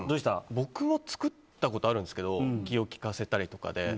僕も作ったことあるんですけど気をきかせたりとかで。